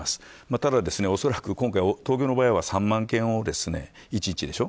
ただ恐らく今回、東京の場合は３万件を１日でしょ。